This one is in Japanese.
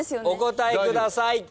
お答えください。